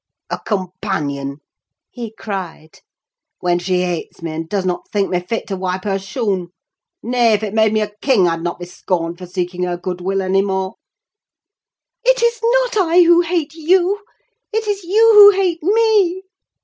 "A companion!" he cried; "when she hates me, and does not think me fit to wipe her shoon! Nay, if it made me a king, I'd not be scorned for seeking her good will any more." "It is not I who hate you, it is you who hate me!"